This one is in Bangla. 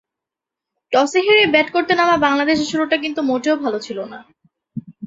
টসে হেরে ব্যাট করতে নামা বাংলাদেশের শুরুটা কিন্তু মোটেও ভালো ছিল না।